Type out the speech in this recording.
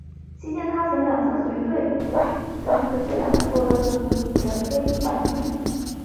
期间她曾随队两次夺得足协杯冠军。